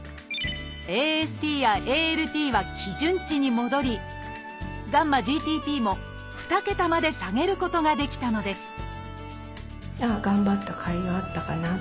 ＡＳＴやＡＬＴは基準値に戻りγ−ＧＴＰも２桁まで下げることができたのですなるほど。